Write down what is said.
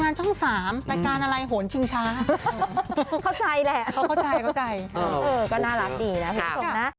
เราก็จะไม่ทำ